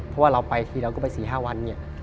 เพราะว่าเราไปทีเราก็ไป๔๕วันเนี่ย